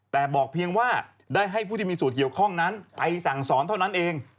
แต่บอกเพียงว่าได้ให้ผู้ที่มีส่วนเกี่ยวข้องนั้นไปสั่งสอนเท่านั้นเอง